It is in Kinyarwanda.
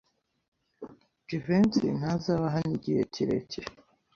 Jivency ntazaba hano igihe kirekire.